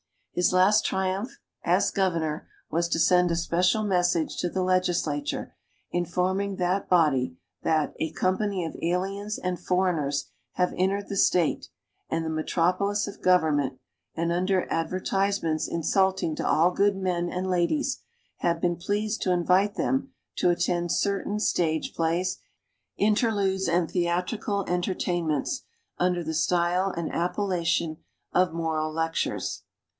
His last triumph, as Governor, was to send a special message to the Legislature, informing that body that "a company of Aliens and Foreigners have entered the State, and the Metropolis of Government, and under advertisements insulting to all Good Men and Ladies have been pleased to invite them to attend certain Stage Plays, Interludes and Theatrical Entertainments under the Style and Appellation of Moral Lectures....